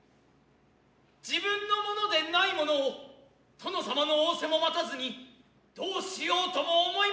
自分のものでないものを殿様の仰せも待たずに何うしようとも思ひませぬ。